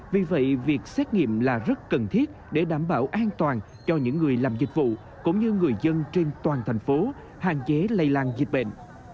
vì vậy việc xét nghiệm là rất cần thiết để đảm bảo an toàn cho những người làm dịch vụ cũng như người dân trên toàn thành phố hạn chế lây lan dịch bệnh